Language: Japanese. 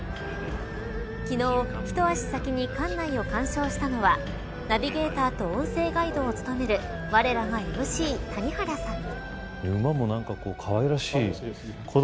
昨日、一足先に館内を鑑賞したのはナビゲーターと音声ガイドを務めるわれらがＭＣ、谷原さん。